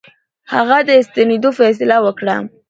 هغه د ستنېدلو فیصله وکړه.